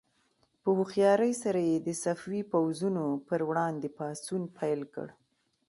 په هوښیارۍ سره یې د صفوي پوځونو پر وړاندې پاڅون پیل کړ.